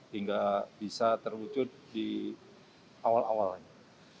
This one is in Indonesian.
hingga bisa terwujud di awal awalnya